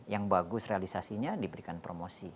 yang bagus realisasinya diberikan promosi